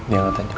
iya angkat aja